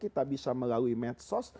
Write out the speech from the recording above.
kita bisa melalui medsos